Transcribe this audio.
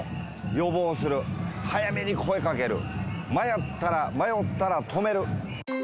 予防する、早めに声かける、迷ったら止める。